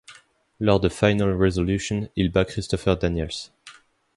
Lors de Final Resolution, il bat Christopher Daniels.